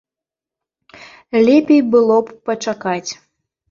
Лепей было б пачакаць.